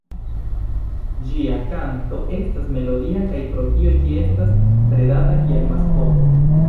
Ĝia kanto estas melodia kaj pro tio ĝi estas bredata kiel maskoto.